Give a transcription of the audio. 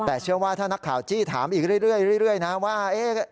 แต่เชื่อว่าถ้านักข่าวจี้ถามอีกเรื่อยนะว่า